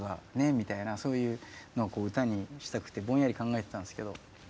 みたいなそういうのをこう歌にしたくてぼんやり考えてたんですけど。